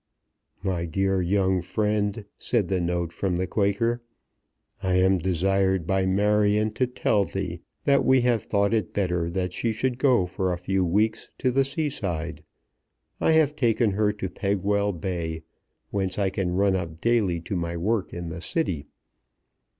"My dear young friend," said the note from the Quaker, I am desired by Marion to tell thee that we have thought it better that she should go for a few weeks to the seaside. I have taken her to Pegwell Bay, whence I can run up daily to my work in the City.